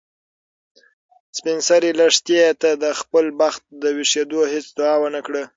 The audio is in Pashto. سپین سرې لښتې ته د خپل بخت د ویښېدو هیڅ دعا ونه کړه.